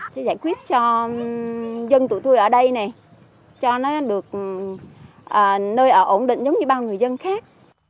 sẽ giải quyết cho dân tụi tôi ở đây này cho nó được nơi ở ổn định giống như bao người dân khác